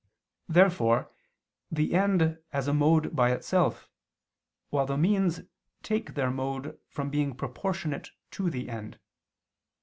Therefore the end has a mode by itself, while the means take their mode from being proportionate to the end.